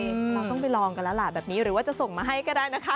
เราต้องไปลองกันแล้วล่ะแบบนี้หรือว่าจะส่งมาให้ก็ได้นะคะ